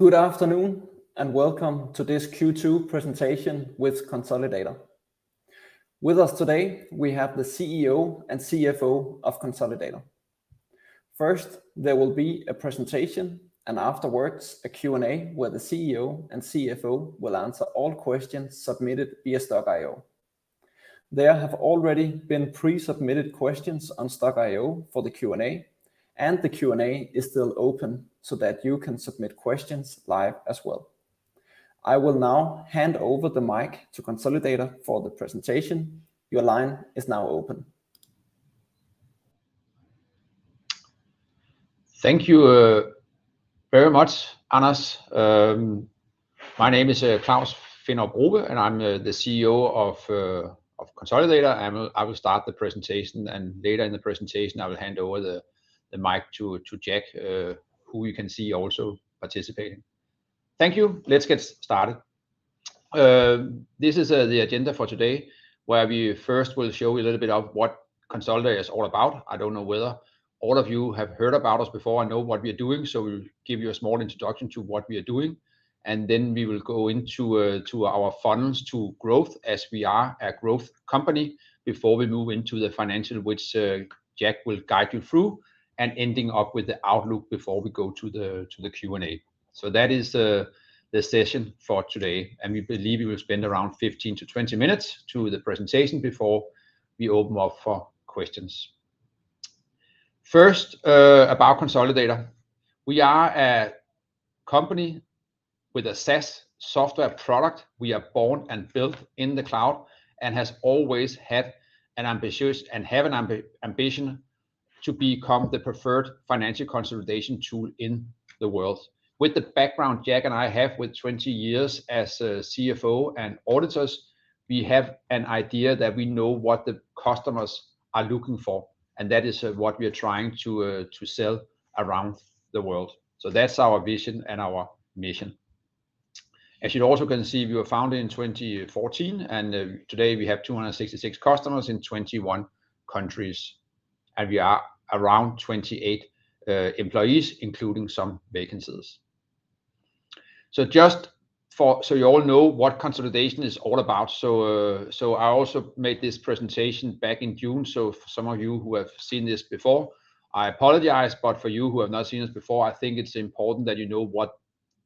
Good afternoon, welcome to this Q2 presentation with Konsolidator. With us today, we have the CEO and CFO of Konsolidator. First, there will be a presentation, and afterwards, a Q&A, where the CEO and CFO will answer all questions submitted via Stockk.io. There have already been pre-submitted questions on Stokk.io for the Q&A, and the Q&A is still open so that you can submit questions live as well. I will now hand over the mic Konsolidator for the presentation. Your line is now open. Thank you, very much, Anders. My name is, Claus Finnerup Robbe, and I'm the CEO of Konsolidator, and I will start the presentation, and later in the presentation, I will hand over the mic to Jack, who you can see also participating. Thank you. Let's get started. This is the agenda for today, where we first will show you a little bit of what Konsolidator is all about. I don't know whether all of you have heard about us before and know what we are doing, so we'll give you a small introduction to what we are doing, and then we will go into, to our funnels to growth as we are a growth company before we move into the financial, which, Jack will guide you through, and ending up with the outlook before we go to the, to the Q&A. That is the, the session for today, and we believe we will spend around 15-20 minutes to the presentation before we open up for questions. First, about Konsolidator. We are a company with a SaaS software product. We are born and built in the cloud, and has always had an ambitious and have an ambition to become the preferred financial consolidation tool in the world. With the background Jack and I have with 20 years as a CFO and auditors, we have an idea that we know what the customers are looking for, and that is what we are trying to sell around the world. That's our vision and our mission. As you also can see, we were founded in 2014, and today we have 266 customers in 21 countries, and we are around 28 employees, including some vacancies. You all know what consolidation is all about. I also made this presentation back in June. For some of you who have seen this before, I apologize, but for you who have not seen this before, I think it's important that you know what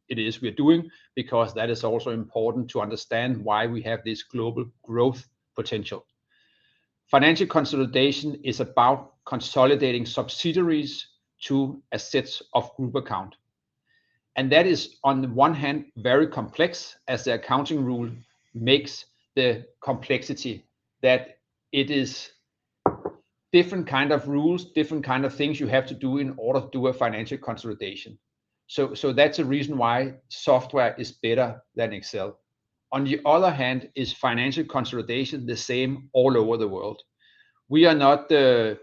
it is we're doing, because that is also important to understand why we have this global growth potential. Financial consolidation is about consolidating subsidiaries to a set of group account, and that is on the one hand, very complex, as the accounting rule makes the complexity, that it is different kind of rules, different kind of things you have to do in order to do a financial consolidation. That's a reason why software is better than Excel. On the other hand, is financial consolidation the same all over the world? We are not, I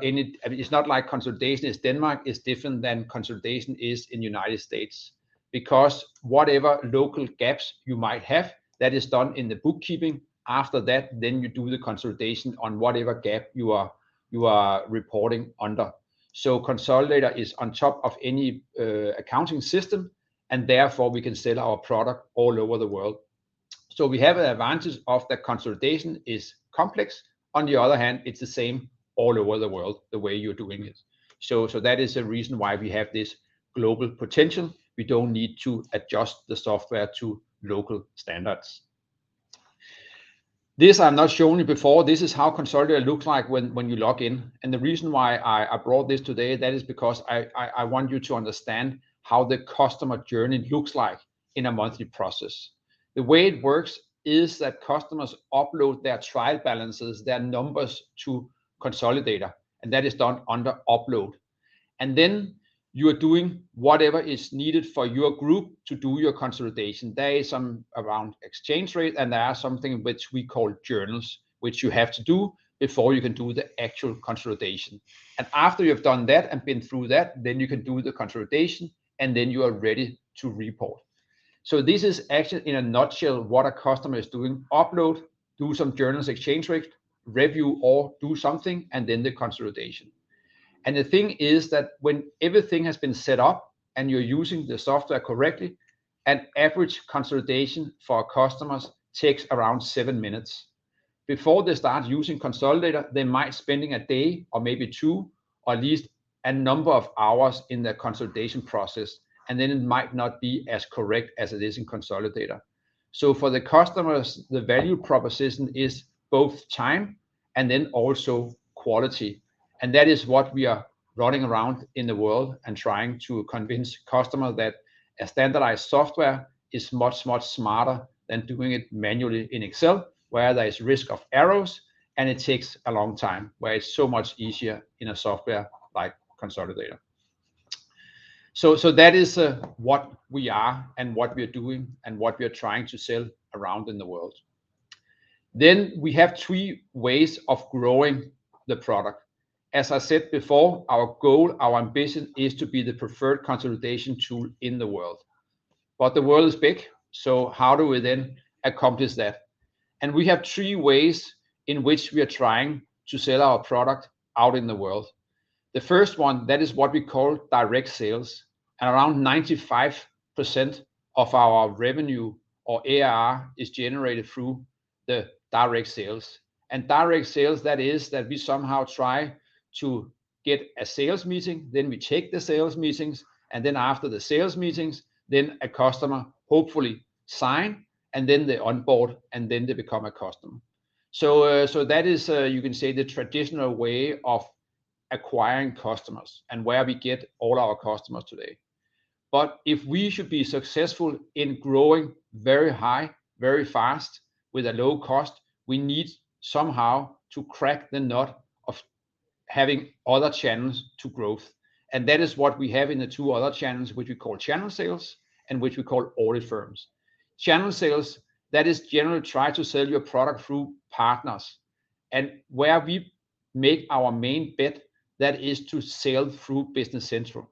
mean, it's not like consolidation is Denmark is different than consolidation is in United States, because whatever local gaps you might have, that is done in the bookkeeping. After that, you do the consolidation on whatever gap you are, you are reporting under. Konsolidator is on top of any accounting system, and therefore, we can sell our product all over the world. We have an advantage of the consolidation is complex. On the other hand, it's the same all over the world, the way you're doing it. That is a reason why we have this global potential. We don't need to adjust the software to local standards. This I've not shown you before. This is how Konsolidator looks like when you log in. The reason why I, I brought this today, that is because I, I, I want you to understand how the customer journey looks like in a monthly process. The way it works is that customers upload their trial balances, their numbers, to Konsolidator, and that is done under Upload. Then you are doing whatever is needed for your group to do your consolidation. There is some around exchange rate, and there are something which we call journals, which you have to do before you can do the actual consolidation. After you've done that and been through that, then you can do the consolidation, and then you are ready to report. This is actually, in a nutshell, what a customer is doing. Upload, do some journals, exchange rate, review or do something, and then the consolidation. The thing is that when everything has been set up and you're using the software correctly, an average consolidation for our customers takes around seven minutes. Before they start using Konsolidator, they might spending one day or maybe two, or at least a number of hours in the consolidation process, and then it might not be as correct as it is in Konsolidator. For the customers, the value proposition is both time and then also quality, and that is what we are running around in the world and trying to convince customers that a standardized software is much, much smarter than doing it manually in Excel, where there is risk of errors, and it takes a long time, where it's so much easier in a software like Konsolidator. That is what we are and what we are doing and what we are trying to sell around in the world. We have three ways of growing the product. As I said before, our goal, our ambition, is to be the preferred consolidation tool in the world. But the world is big, so how do we then accomplish that? We have three ways in which we are trying to sell our product out in the world. The first one, that is what we call direct sales, and around 95% of our revenue or ARR is generated through the direct sales. Direct sales, that is that we somehow try to get a sales meeting, then we take the sales meetings, and then after the sales meetings, then a customer hopefully sign, and then they onboard, and then they become a customer. That is, you can say the traditional way of acquiring customers and where we get all our customers today. If we should be successful in growing very high, very fast, with a low cost, we need somehow to crack the nut of having other channels to growth. That is what we have in the two other channels, which we call channel sales and which we call audit firms. Channel sales, that is generally try to sell your product through partners. Where we make our main bet, that is to sell through Business Central.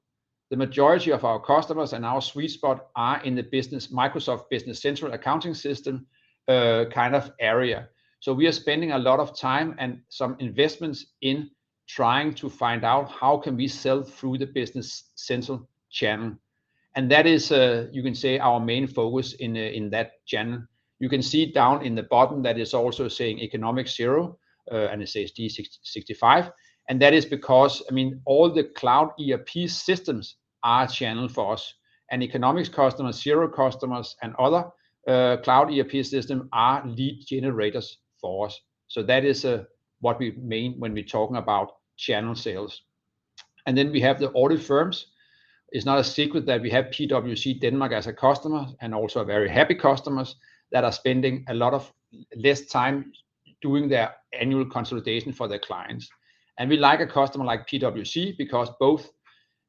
The majority of our customers and our sweet spot are in the business, Microsoft Business Central accounting system, kind of area. We are spending a lot of time and some investments in trying to find out how can we sell through the Business Central channel. That is, you can say, our main focus in that channel. You can see down in the bottom that is also saying e-conomic Xero, and it says D365. That is because, I mean, all the cloud ERP systems are a channel for us, and e-conomic customers, Xero customers, and other cloud ERP system are lead generators for us. So that is what we mean when we're talking about channel sales. Then we have the audit firms. It's not a secret that we have PwC Denmark as a customer, and also a very happy customers that are spending a lot of less time doing their annual consolidation for their clients. We like a customer like PwC because both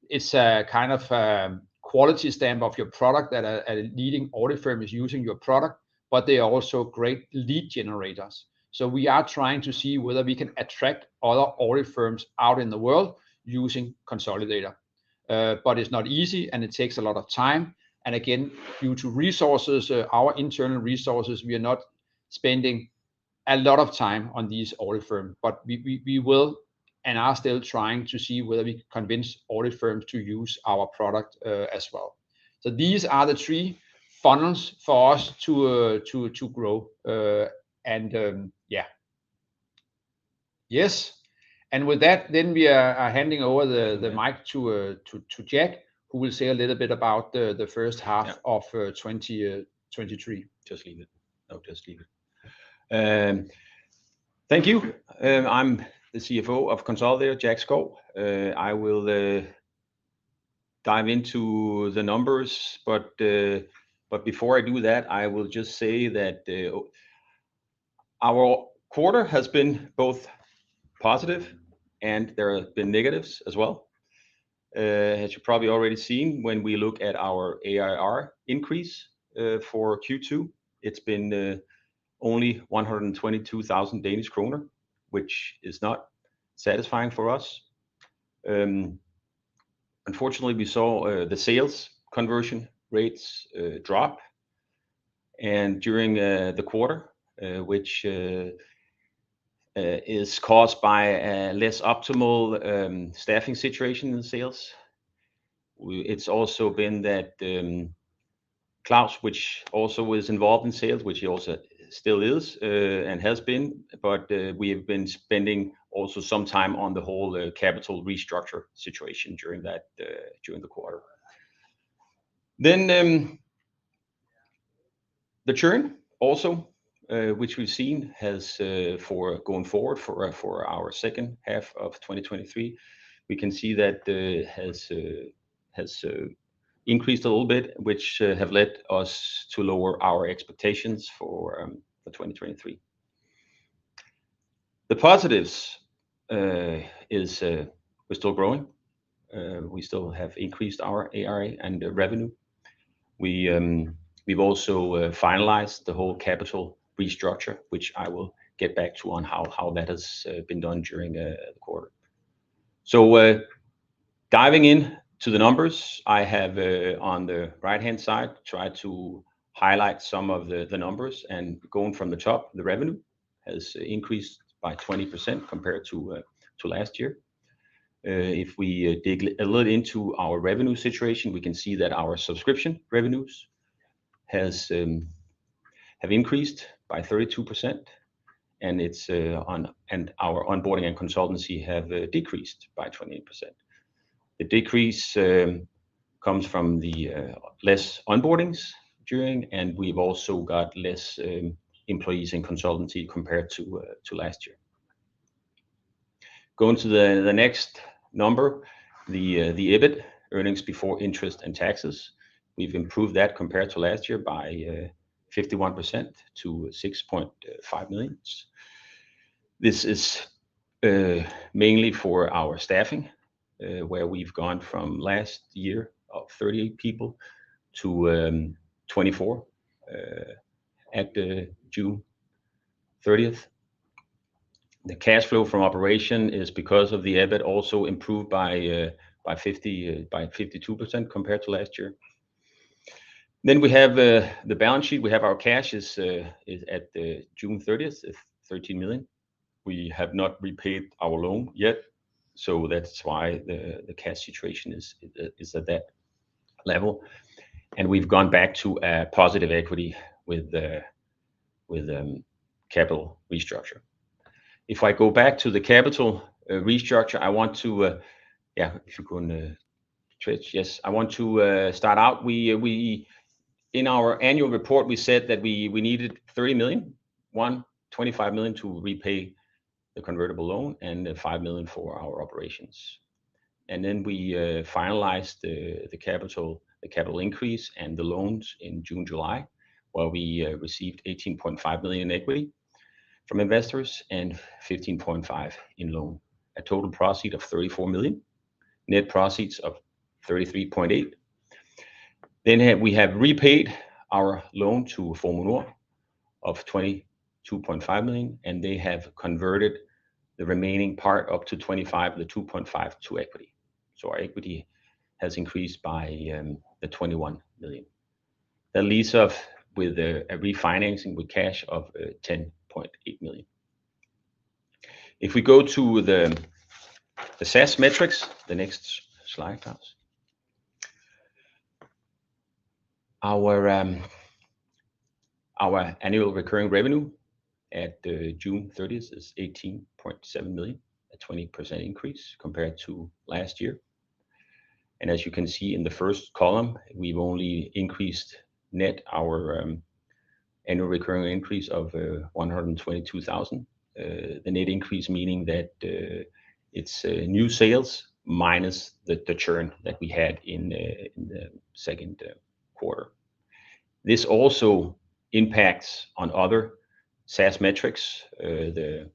it's a kind of, quality stamp of your product that a, a leading audit firm is using your product, but they are also great lead generators. We are trying to see whether we can attract other audit firms out in the world using Konsolidator. It's not easy, and it takes a lot of time. Again, due to resources, our internal resources, we are not spending a lot of time on these audit firm, but we, we, we will and are still trying to see whether we convince audit firms to use our product, as well. These are the three funnels for us to, to, to grow. Yeah. Yes. With that, then we are, are handing over the, the mic to, to Jack, who will say a little bit about the, the first half. Yeah. Of, uh, twenty, uh, twenty-three. Just leave it. No, just leave it. Thank you. I'm the CFO of Konsolidator, Jack Schou. I will dive into the numbers, but before I do that, I will just say that our quarter has been both positive, and there have been negatives as well. As you've probably already seen, when we look at our ARR increase for Q2, it's been only 122,000 Danish kroner, which is not satisfying for us. Unfortunately, we saw the sales conversion rates drop during the quarter, which is caused by a less optimal staffing situation in sales. It's also been that Claus, which also was involved in sales, which he also still is and has been, but we have been spending also some time on the whole capital restructure situation during that during the quarter. The churn also, which we've seen, has for going forward for for our second half of 2023, we can see that has has increased a little bit, which have led us to lower our expectations for the 2023. The positives is we're still growing. We still have increased our ARR and revenue. We we've also finalized the whole capital restructure, which I will get back to on how, how that has been done during the quarter. Diving into the numbers, I have on the right-hand side, try to highlight some of the numbers and going from the top, the revenue has increased by 20% compared to last year. If we dig a little into our revenue situation, we can see that our subscription revenues has have increased by 32%. Our onboarding and consultancy have decreased by 28%. The decrease comes from the less onboardings during, and we've also got less employees in consultancy compared to last year. Going to the next number, the EBIT, earnings before interest and taxes. We've improved that compared to last year by 51% to 6.5 million. This is mainly for our staffing, where we've gone from last year of 38 people to 24 at the June 30th. The cash flow from operation is because of the EBIT also improved by 50, by 52% compared to last year. We have the balance sheet. We have our cash is at the June 30th, is 13 million. We have not repaid our loan yet, so that's why the cash situation is at that level, and we've gone back to a positive equity with the capital restructure. If I go back to the capital restructure, I want to yeah, if you go on the switch. Yes. I want to start out. We in our annual report, we said that we needed 30 million, 25 million to repay the convertible loan and 5 million for our operations. We finalized the capital, the capital increase and the loans in June, July, where we received 18.5 million in equity from investors and 15.5 million in loan, a total proceed of 34 million, net proceeds of 33.8 million. We have repaid our loan to Formue Nord of 22.5 million, and they have converted the remaining part up to 25, the 2.5 million to equity. Our equity has increased by the 21 million. The lease of with a refinancing with cash of 10.8 million. If we go to the SaaS metrics, the next slide, please. Our annual recurring revenue at June 30th is 18.7 million, a 20% increase compared to last year. As you can see in the first column, we've only increased net our annual recurring increase of 122,000. The net increase, meaning that it's new sales minus the churn that we had in the second quarter. This also impacts on other SaaS metrics, the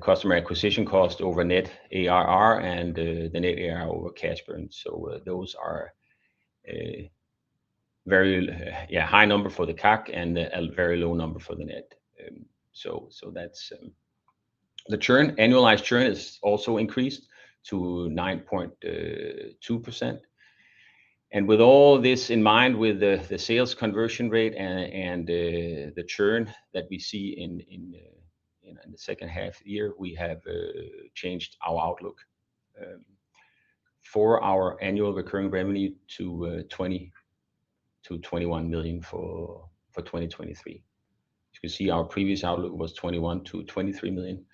customer acquisition cost over net ARR and the net ARR over cash burn. Those are a very, yeah, high number for the CAC and a very low number for the net. That's. The churn, annualized churn is also increased to 9.2%. With all this in mind, with the sales conversion rate and the churn that we see in the second half year, we have changed our outlook for our annual recurring revenue to 20 million-21 million for 2023. You can see our previous outlook was 21 million-23 million.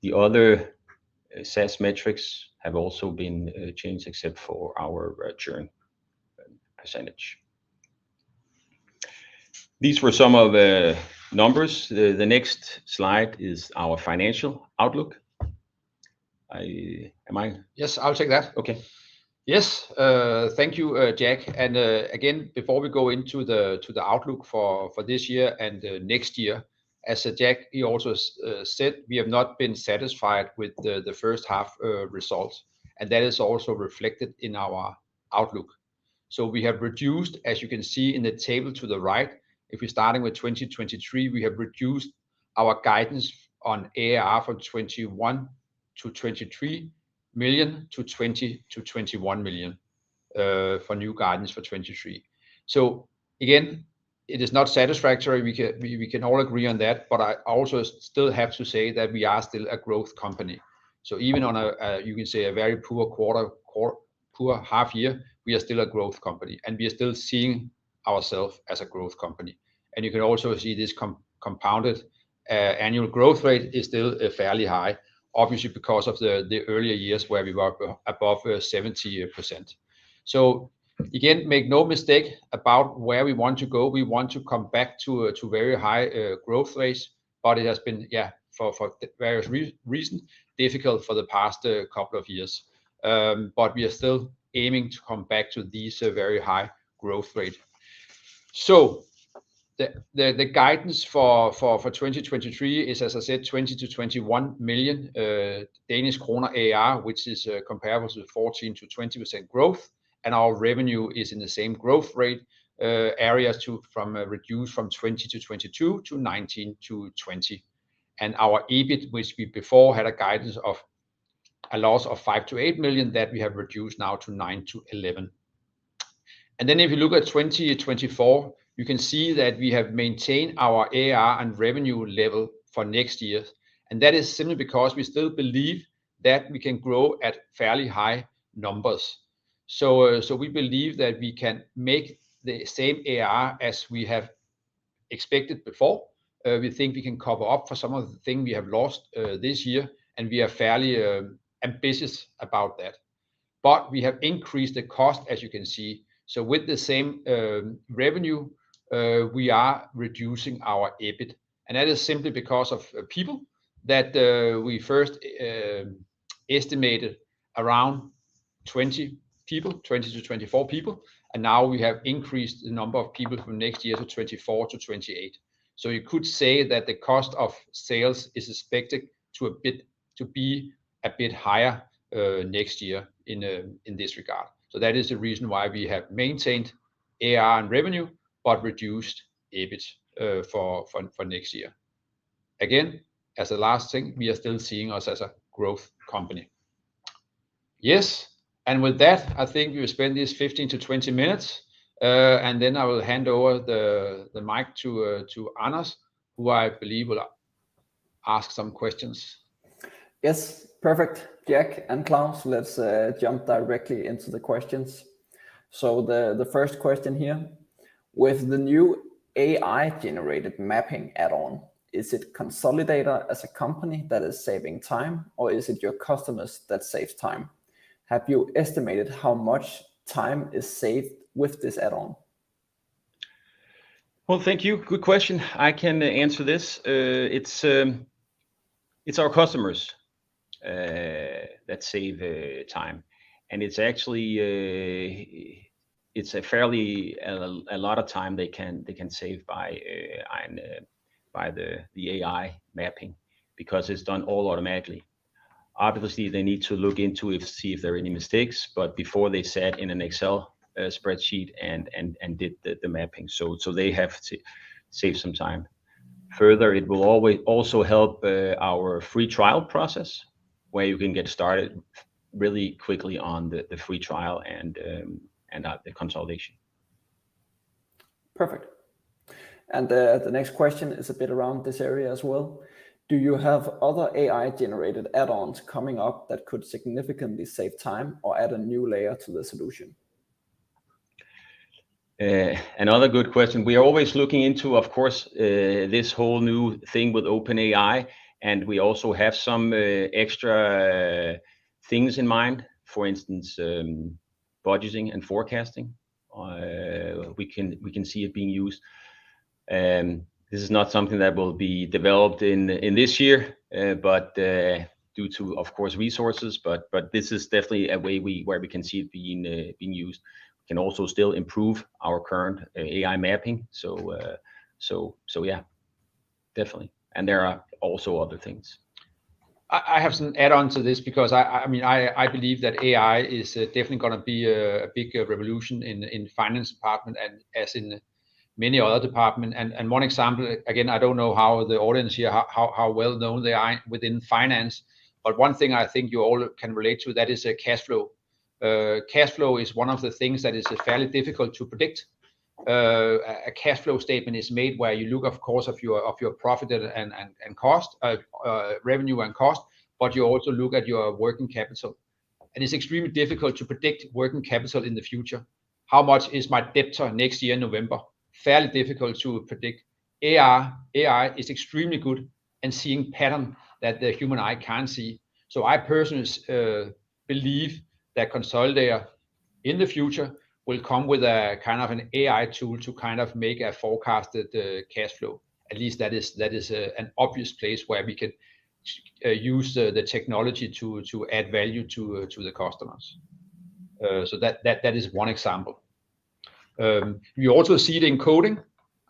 The other SaaS metrics have also been changed except for our churn %. These were some of the numbers. The next slide is our financial outlook. I, am I? Yes, I'll take that. Okay. Yes, thank you, Jack. Again, before we go into the, to the outlook for, for this year and next year, as Jack, he also said, we have not been satisfied with the, the first half results, and that is also reflected in our outlook. We have reduced, as you can see in the table to the right, if we're starting with 2023, we have reduced our guidance on ARR from 21 million-23 million to 20 million-21 million for new guidance for 2023. Again, it is not satisfactory. We can, we, we can all agree on that, I also still have to say that we are still a growth company. Even on a, you can say, a very poor quarter or poor half year, we are still a growth company, and we are still seeing ourselves as a growth company. You can also see this compound annual growth rate is still fairly high, obviously, because of the earlier years where we were above 70%. Again, make no mistake about where we want to go. We want to come back to very high growth rates, but it has been for various reasons, difficult for the past couple of years. We are still aiming to come back to these very high growth rate. The guidance for 2023 is, as I said, 20 million-21 million Danish kroner ARR, which is comparable to 14%-20% growth. Our revenue is in the same growth rate areas to, from a reduced from 20-22 to 19-20. Our EBIT, which we before had a guidance of a loss of 5 million-8 million, that we have reduced now to 9 million-11 million. If you look at 2024, you can see that we have maintained our ARR and revenue level for next year, that is simply because we still believe that we can grow at fairly high numbers. We believe that we can make the same ARR as we have expected before. We think we can cover up for some of the things we have lost this year, and we are fairly ambitious about that. We have increased the cost, as you can see. With the same revenue, we are reducing our EBIT, and that is simply because of people that we first estimated around 20 people, 20-24 people, and now we have increased the number of people from next year to 24-28. You could say that the cost of sales is expected to be a bit higher next year in this regard. That is the reason why we have maintained ARR and revenue, but reduced EBIT for next year. Again, as the last thing, we are still seeing us as a growth company. Yes, with that, I think we will spend this 15 to 20 minutes, and then I will hand over the mic to Anders, who I believe will ask some questions. Yes, perfect. Jack and Claus, let's jump directly into the questions. The first question here: With the new AI-generated mapping add-on, is it Konsolidator as a company that is saving time, or is it your customers that save time? Have you estimated how much time is saved with this add-on? Well, thank you. Good question. I can answer this. It's our customers that save time. It's actually a fairly a lot of time they can save by the AI mapping, because it's done all automatically. Obviously, they need to look into it to see if there are any mistakes, but before they set in an Excel spreadsheet and did the mapping. They have to save some time. Further, it will always also help our free trial process, where you can get started really quickly on the free trial and the consolidation. Perfect. The next question is a bit around this area as well. Do you have other AI-generated add-ons coming up that could significantly save time or add a new layer to the solution? Another good question. We are always looking into, of course, this whole new thing with OpenAI, and we also have some extra things in mind. For instance, budgeting and forecasting. We can, we can see it being used. This is not something that will be developed in, in this year, but due to, of course, resources, but, but this is definitely a way where we can see it being used. We can also still improve our current AI mapping. Yeah, definitely. There are also other things. I have some add-on to this because I believe that AI is definitely going to be a big revolution in finance department and as in many other department. One example, again, I don't know how the audience here, how well-known they are within finance, but one thing I think you all can relate to, that is cash flow. Cash flow is one of the things that is fairly difficult to predict. A cash flow statement is made where you look, of course, of your profit and cost, revenue and cost, but you also look at your working capital. It's extremely difficult to predict working capital in the future. How much is my debtor next year, November? Fairly difficult to predict. AI, AI is extremely good in seeing pattern that the human eye can't see. I personally, believe that Konsolidator, in the future, will come with a kind of an AI tool to kind of make a forecasted, cash flow. At least that is, that is, an obvious place where we can, use the, the technology to, to add value to, to the customers. That, that, that is one example. We also see it in coding.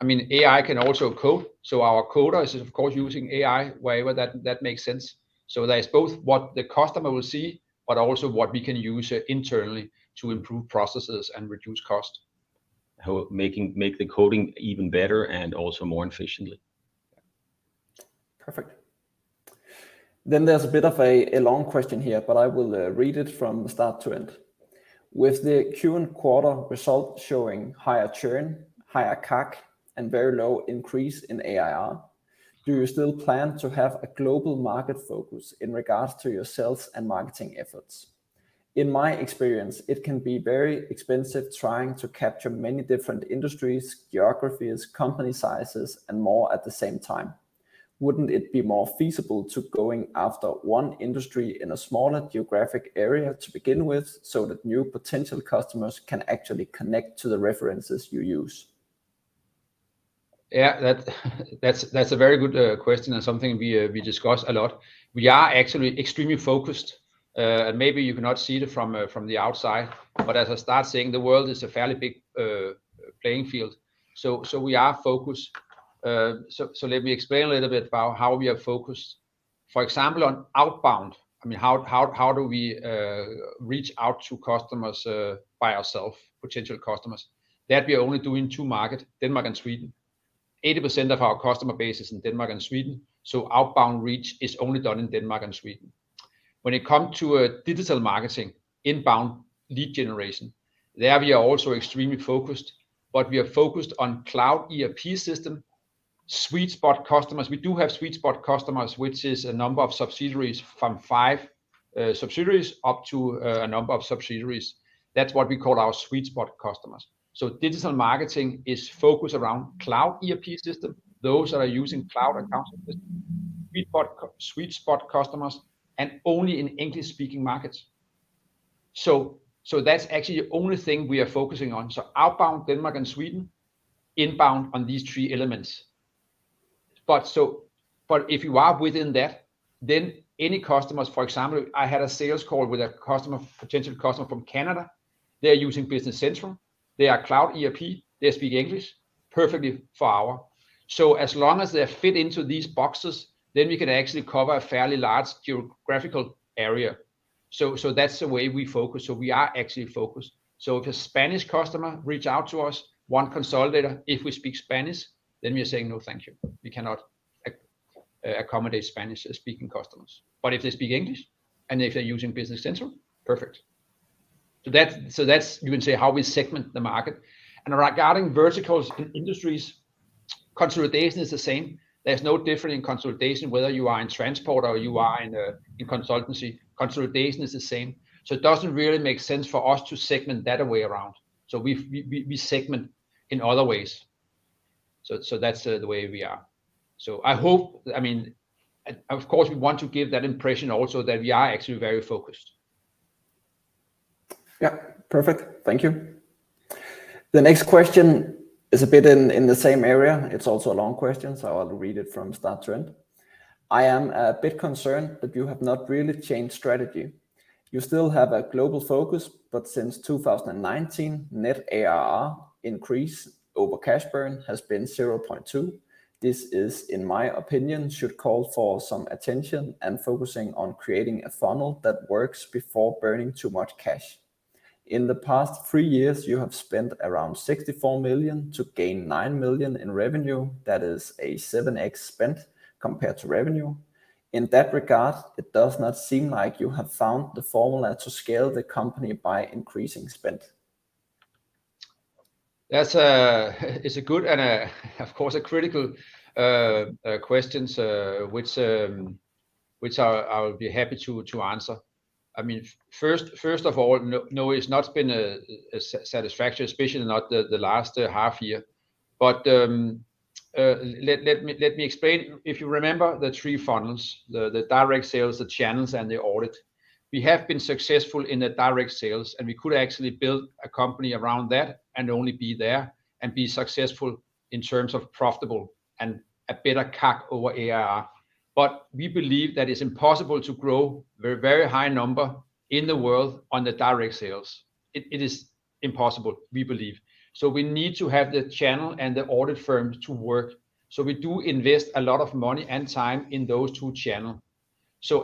I mean, AI can also code, so our coders is of course using AI wherever that, that makes sense. That is both what the customer will see, but also what we can use internally to improve processes and reduce cost. How make the coding even better and also more efficiently. Perfect. There's a bit of a, a long question here, but I will read it from start to end. With the Q1 quarter result showing higher churn, higher CAC, and very low increase in ARR, do you still plan to have a global market focus in regards to your sales and marketing efforts? In my experience, it can be very expensive trying to capture many different industries, geographies, company sizes, and more at the same time. Wouldn't it be more feasible to going after one industry in a smaller geographic area to begin with, so that new potential customers can actually connect to the references you use? Yeah, that, that's, that's a very good question and something we discuss a lot. We are actually extremely focused, and maybe you cannot see it from the outside, but as I start saying, the world is a fairly big playing field. We are focused. Let me explain a little bit about how we are focused. For example, on outbound, I mean, how, how, how do we reach out to customers by ourself, potential customers? That we are only doing two market, Denmark and Sweden. 80% of our customer base is in Denmark and Sweden, outbound reach is only done in Denmark and Sweden. When it come to digital marketing, inbound lead generation, there we are also extremely focused, we are focused on cloud ERP system, sweet spot customers. We do have sweet spot customers, which is a number of subsidiaries from five subsidiaries up to a number of subsidiaries. That's what we call our sweet spot customers. Digital marketing is focused around cloud ERP system, those that are using cloud accounting system, sweet spot, sweet spot customers, and only in English-speaking markets. That's actually the only thing we are focusing on. Outbound, Denmark and Sweden, inbound on these three elements. If you are within that, then any customers. For example, I had a sales call with a customer, potential customer from Canada. They are using Business Central, they are cloud ERP, they speak English, perfectly for our. As long as they fit into these boxes, then we can actually cover a fairly large geographical area. That's the way we focus. We are actually focused. If a Spanish customer reach out to us, Konsolidator, if we speak Spanish, then we are saying, "No, thank you. We cannot accommodate Spanish-speaking customers." If they speak English, and if they're using Business Central, perfect. That's, so that's, you can say, how we segment the market. Regarding verticals and industries, consolidation is the same. There's no different in consolidation, whether you are in transport or you are in consultancy. Consolidation is the same, so it doesn't really make sense for us to segment that way around. We segment in other ways. That's the way we are. I hope, I mean, and of course, we want to give that impression also that we are actually very focused. Yeah, perfect. Thank you. The next question is a bit in, in the same area. It's also a long question, so I'll read it from start to end. I am a bit concerned that you have not really changed strategy. You still have a global focus, but since 2019, net ARR increase over cash burn has been 0.2. This is, in my opinion, should call for some attention and focusing on creating a funnel that works before burning too much cash. In the past three years, you have spent around 64 million to gain 9 million in revenue. That is a 7x spend compared to revenue. In that regard, it does not seem like you have found the formula to scale the company by increasing spend. That's a, it's a good and a, of course, a critical questions, which I, I will be happy to, to answer. I mean, first, first of all, no, no, it's not been a, a, satisfactory, especially not the, the last half year. Let, let me, let me explain. If you remember the three funnels, the, the direct sales, the channels, and the audit, we have been successful in the direct sales, and we could actually build a company around that and only be there and be successful in terms of profitable and a better CAC over ARR. We believe that it's impossible to grow very, very high number in the world on the direct sales. It, it is impossible, we believe. We need to have the channel and the audit firm to work, so we do invest a lot of money and time in those two channel.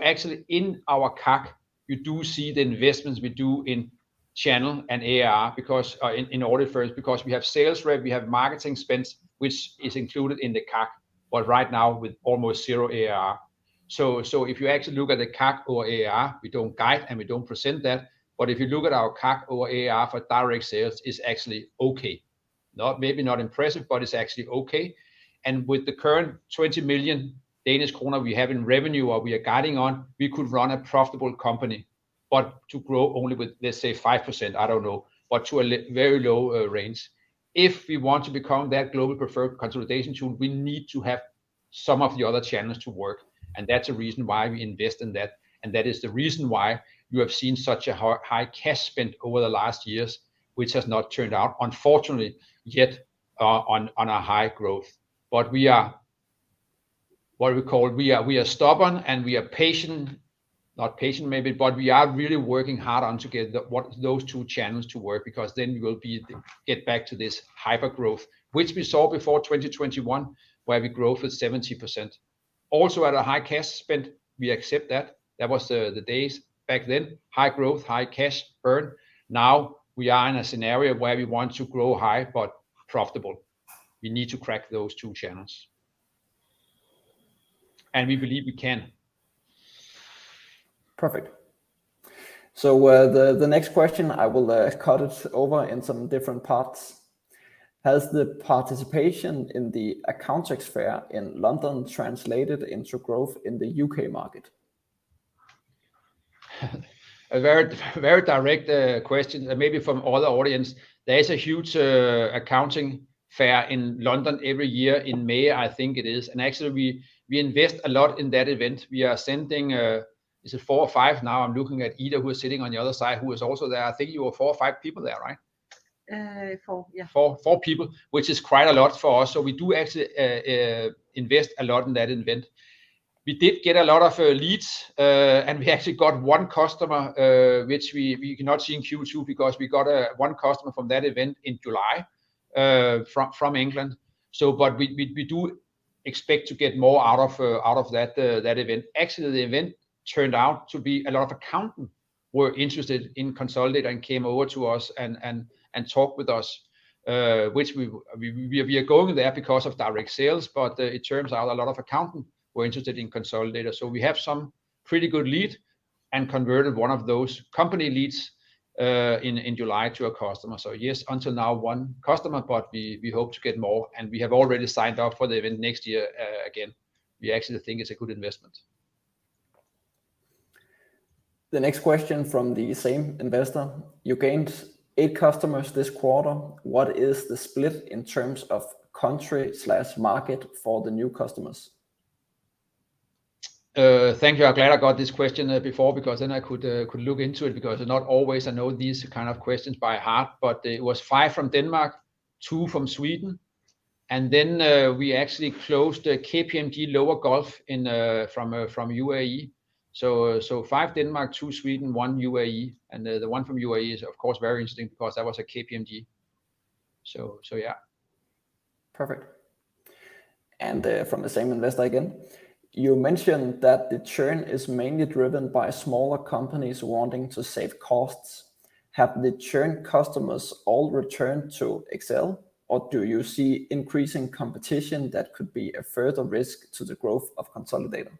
Actually, in our CAC, you do see the investments we do in channel and ARR because in audit firms, because we have sales rep, we have marketing spend, which is included in the CAC, but right now with almost 0 ARR. If you actually look at the CAC over ARR, we don't guide and we don't present that, but if you look at our CAC over ARR for direct sales, it's actually okay. Not, maybe not impressive, but it's actually okay. With the current 20 million Danish kroner we have in revenue, or we are guiding on, we could run a profitable company. To grow only with, let's say, 5%, I don't know, to a very low range. If we want to become that globally preferred consolidation tool, we need to have some of the other channels to work, and that's a reason why we invest in that, and that is the reason why you have seen such a high cash spend over the last years, which has not turned out, unfortunately, yet, on a high growth. We are, what we call, we are stubborn and we are patient, not patient maybe, but we are really working hard on to get those two channels to work because then we will get back to this hypergrowth, which we saw before 2021, where growth was 70%. Also, at a high cash spend, we accept that. That was the days back then, high growth, high cash burn. Now, we are in a scenario where we want to grow high, but profitable. We need to crack those two channels. We believe we can. Perfect. The next question, I will cut it over in some different parts. Has the participation in the Accountex in London translated into growth in the U.K. market? A very, very direct question, maybe from all the audience. There is a huge accounting fair in London every year in May, I think it is, and actually, we, we invest a lot in that event. We are sending, is it four or five now? I'm looking at Ida, who is sitting on the other side, who was also there. I think you were four or five people there, right? four, yeah. four people, which is quite a lot for us. We do actually invest a lot in that event. We did get a lot of leads, and we actually got one customer, which we cannot see in Q2 because we got one customer from that event in July from England. We do expect to get more out of that event. Actually, the event turned out to be a lot of accountants were interested in Konsolidator and came over to us and talked with us, which we are going there because of direct sales, but it turns out a lot of accountants were interested in Konsolidator. We have some pretty good lead and converted one of those company leads in July to a customer. Yes, until now, one customer, but we, we hope to get more, and we have already signed up for the event next year again. We actually think it's a good investment. The next question from the same investor: You gained 8 customers this quarter. What is the split in terms of country/market for the new customers? Thank you. I'm glad I got this question before, because then I could look into it, because not always I know these kind of questions by heart. It was five from Denmark, two from Sweden, and then we actually closed a KPMG Lower Gulf in from UAE. Five Denmark, two Sweden, one UAE, and the one from UAE is, of course, very interesting because that was a KPMG. Yeah. Perfect. From the same investor again: You mentioned that the churn is mainly driven by smaller companies wanting to save costs. Have the churn customers all returned to Excel, or do you see increasing competition that could be a further risk to the growth of Konsolidator?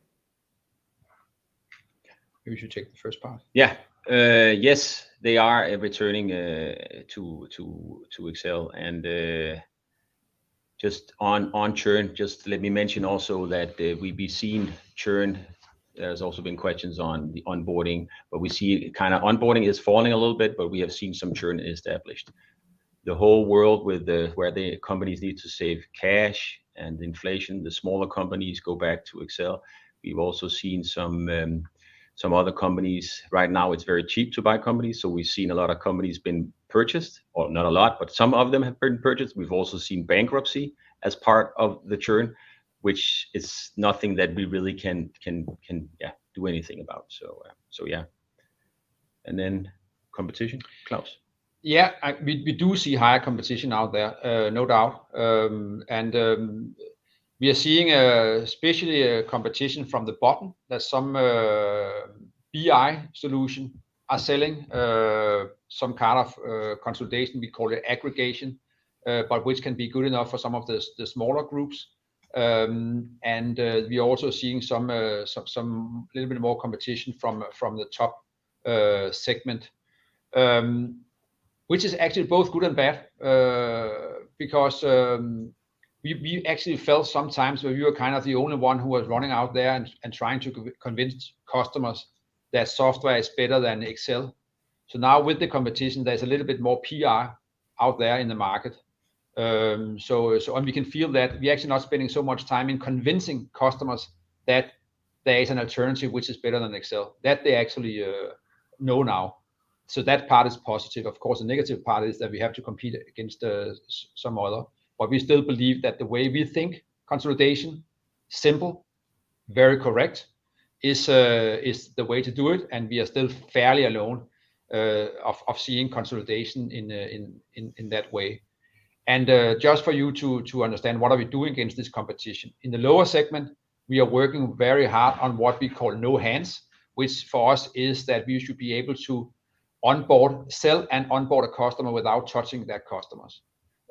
Maybe you should take the first part. Yeah. Yes, they are returning to Excel. Just on churn, just let me mention also that we've been seeing churn. There's also been questions on the onboarding, but we see kind of onboarding is falling a little bit, but we have seen some churn established. The whole world where the companies need to save cash and inflation, the smaller companies go back to Excel. We've also seen some other companies. Right now, it's very cheap to buy companies, so we've seen a lot of companies being purchased, or not a lot, but some of them have been purchased. We've also seen bankruptcy as part of the churn, which is nothing that we really can do anything about. Yeah. Then competition, Claus? Yeah, I, we, we do see higher competition out there, no doubt. We are seeing, especially, competition from the bottom. There's some BI solution are selling, some kind of, consolidation, we call it aggregation, but which can be good enough for some of the, the smaller groups. We are also seeing some, some, some little bit more competition from, from the top, segment. Which is actually both good and bad, because, we, we actually felt sometimes we were kind of the only one who was running out there and, and trying to convince customers that software is better than Excel. Now with the competition, there's a little bit more PR out there in the market. We can feel that we're actually not spending so much time in convincing customers that there is an alternative which is better than Excel, that they actually know now. That part is positive. Of course, the negative part is that we have to compete against some other. We still believe that the way we think consolidation, simple, very correct, is the way to do it, and we are still fairly alone of seeing consolidation in that way. Just for you to understand, what are we doing against this competition? In the lower segment, we are working very hard on what we call no hands, which for us is that we should be able to onboard, sell, and onboard a customer without touching their customers.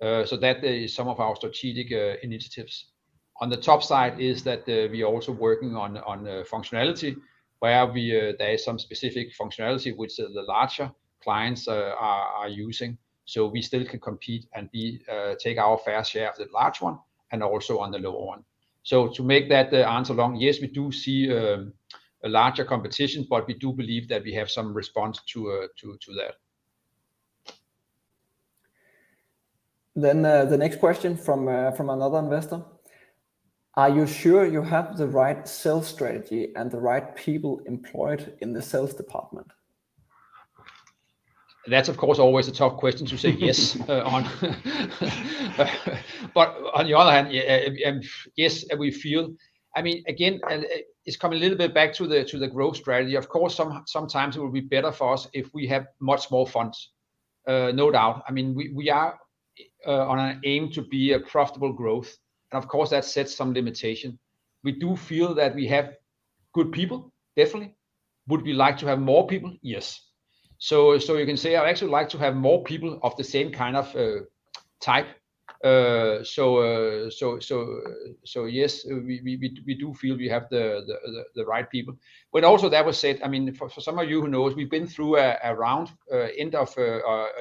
That is some of our strategic initiatives. On the top side is that, we are also working on, on functionality, where we, there is some specific functionality which the larger clients are, are using. We still can compete and we, take our fair share of the large one and also on the lower one. To make that answer long, yes, we do see, a larger competition, but we do believe that we have some response to, to, to that. The next question from, from another investor: Are you sure you have the right sales strategy and the right people employed in the sales department? That's, of course, always a tough question to say yes on. On the other hand, yeah, and yes, we feel. I mean, again, it's coming a little bit back to the, to the growth strategy. Of course, sometimes it will be better for us if we have much more funds. No doubt. I mean, we, we are, on a aim to be a profitable growth, and of course, that sets some limitation. We do feel that we have good people, definitely. Would we like to have more people? Yes. You can say I'd actually like to have more people of the same kind of, type. Yes, we, we, we, we do feel we have the, the, the, the right people. Also that was said, I mean, for, for some of you who knows, we've been through a, a round, end of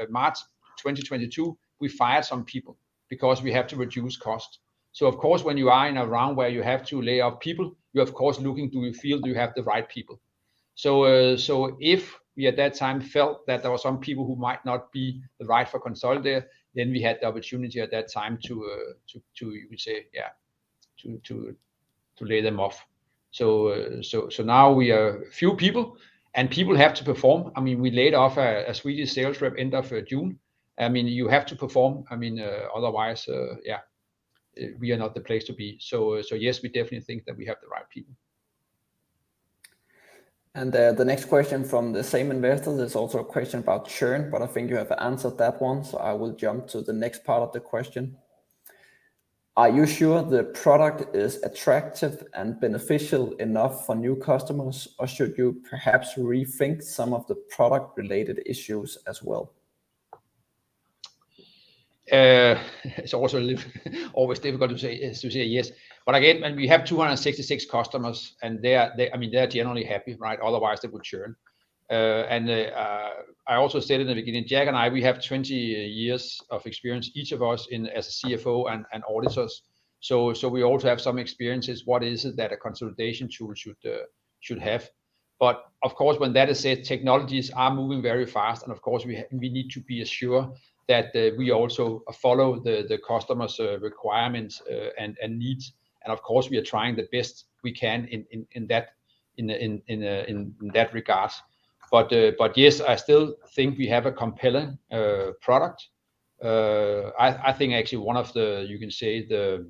March 2022, we fired some people because we have to reduce costs. Of course, when you are in a round where you have to lay off people, you of course looking, do you feel you have the right people? So if we at that time felt that there were some people who might not be the right for Konsolidator, then we had the opportunity at that time to, to, to, you would say, yeah, to, to, to lay them off. So, so now we are few people, and people have to perform. I mean, we laid off a, a Swedish sales rep end of June. I mean, you have to perform. I mean, otherwise, yeah, we are not the place to be. Yes, we definitely think that we have the right people. The next question from the same investor, there's also a question about churn, but I think you have answered that one, so I will jump to the next part of the question. Are you sure the product is attractive and beneficial enough for new customers, or should you perhaps rethink some of the product-related issues as well? It's also always difficult to say, to say yes. Again, when we have 266 customers, and they are, I mean, they are generally happy, right? Otherwise, they would churn. I also said in the beginning, Jack and I, we have 20 years of experience, each of us in as a CFO and, and auditors. So we also have some experiences, what is it that a consolidation tool should should have? Of course, when that is said, technologies are moving very fast, and of course, we, we need to be sure that we also follow the, the customer's requirements and needs. Of course, we are trying the best we can in that regard. But yes, I still think we have a compelling product. I think actually one of the, you can say, the,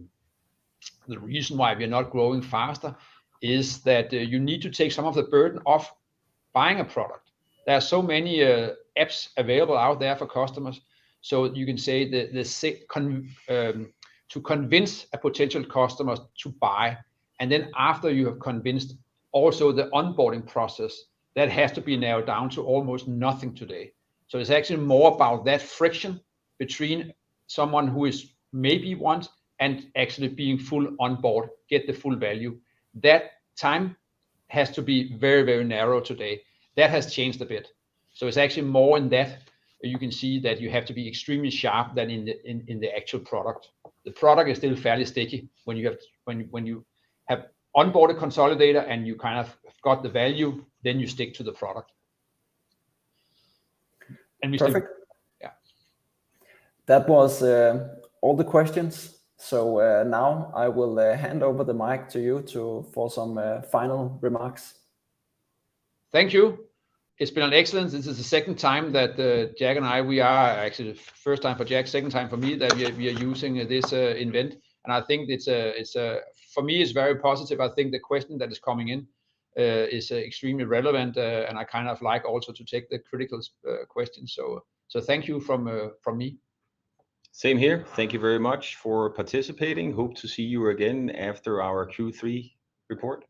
the reason why we are not growing faster is that you need to take some of the burden off buying a product. There are so many apps available out there for customers, so you can say that the sick con to convince a potential customer to buy, and then after you have convinced, also the onboarding process, that has to be narrowed down to almost nothing today. It's actually more about that friction between someone who is maybe want and actually being full on board, get the full value. That time has to be very, very narrow today. That has changed a bit. It's actually more in depth, you can see that you have to be extremely sharp than in the actual product. The product is still fairly sticky when you have onboarded Konsolidator and you kind of got the value, then you stick to the product. We still. Perfect. Yeah. That was all the questions. Now I will hand over the mic to you to, for some final remarks. Thank you. It's been an excellent... This is the second time that, Jack and I, we are actually, first time for Jack, second time for me, that we are, we are using this event. I think it's, it's, for me, it's very positive. I think the question that is coming in, is extremely relevant, and I kind of like also to take the critical questions. thank you from, from me. Same here. Thank you very much for participating. Hope to see you again after our Q3 report.